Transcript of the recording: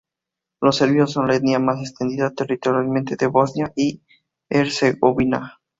Los serbios son la etnia más extendida territorialmente de Bosnia y Herzegovina.